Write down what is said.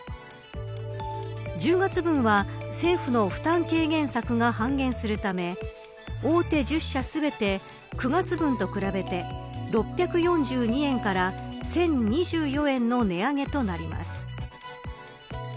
１０月分は政府の負担軽減策が半減するため大手１０社全て９月分と比べて６４２円から１０２４円の値上げとなります。